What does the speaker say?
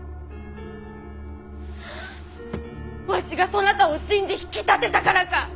わしがそなたを信じ引き立てたからか！？